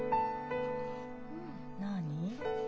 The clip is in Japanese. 何？